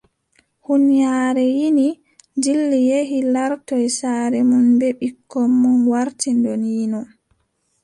Huunyaare yini dilli yehi laartoy saare mum bee ɓikkon mum warti ɗon yino.